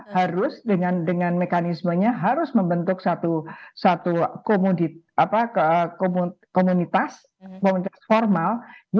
harus dengan mekanismenya harus membentuk satu komunitas komunitas formal